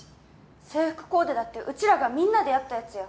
制服コーデだってうちらがみんなでやったやつや。